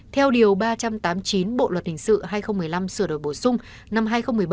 theo điều ba trăm tám mươi chín bộ luật hình sự hai nghìn một mươi năm sửa đổi bổ sung năm hai nghìn một mươi bảy